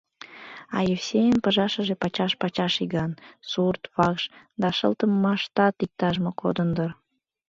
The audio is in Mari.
А Евсейын пыжашыже пачаш-пачаш иган: сурт, вакш... да шылтымаштат иктаж-мо кодын дыр.